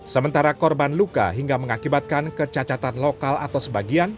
sementara korban luka hingga mengakibatkan kecacatan lokal atau sebagian